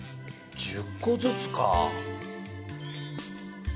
１０個ずつか。